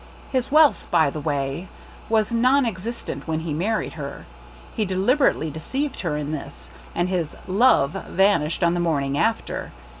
His wealth, by the way, was non existent when he married her — he de liberately deceived her in this; and his "love" vanished on the morning after.